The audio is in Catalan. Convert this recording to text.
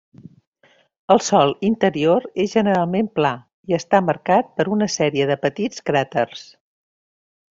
El sòl interior és generalment pla, i està marcat per una sèrie de petits cràters.